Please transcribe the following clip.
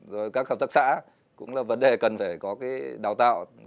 rồi các hợp tác xã cũng là vấn đề cần phải có cái đào tạo